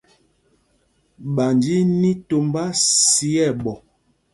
Ɓanj í í ní tombá sī ɛɓɔ.